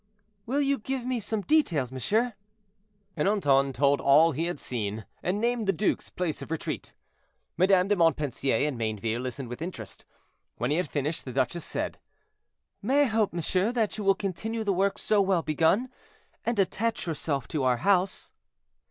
"Will you give me some details, monsieur?" Ernanton told all he had seen, and named the duke's place of retreat. Madame de Montpensier and Mayneville listened with interest. When he had finished, the duchess said: "May I hope, monsieur, that you will continue the work so well begun, and attach yourself to our house?"